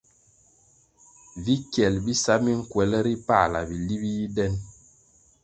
Vi kyel bisa minkwelʼ ri pala bili bi yi den.